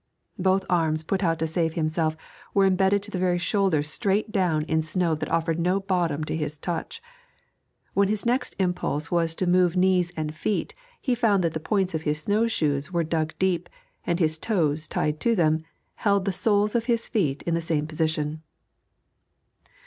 Both arms, put out to save himself, were embedded to the very shoulder straight down in snow that offered no bottom to his touch; when his next impulse was to move knees and feet he found that the points of his snow shoes were dug deep, and his toes, tied to them, held the soles of his feet in the same position.